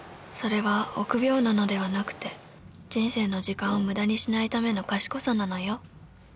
それは臆病なのではなくて人生の時間を無駄にしないための賢さなのよ。